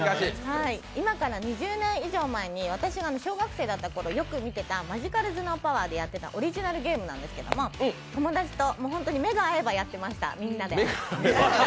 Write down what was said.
今から２０年以上前に私が小学生だったころよく見てた「マジカル頭脳パワー！！」でやってたオリジナルゲームなんですけど友達と本当に目が合えばやってました。